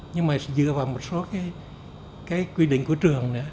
nhưng mà dựa vào một số cái quy định của trường nữa